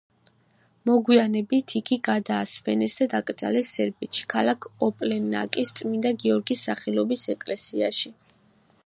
მოგვიანებით იგი გადაასვენეს და დაკრძალეს სერბეთში, ქალაქ ოპლენაკის წმინდა გიორგის სახელობის ეკლესიაში.